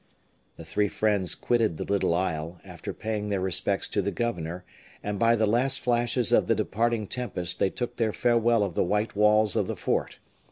The three friends quitted the little isle, after paying their respects to the governor, and by the last flashes of the departing tempest they took their farewell of the white walls of the fort.